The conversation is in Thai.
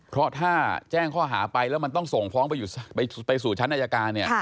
เพราะถ้าแจ้งข้อหาไปแล้วมันต้องส่งฟ้องไปสู่ชั้นอายการเนี่ย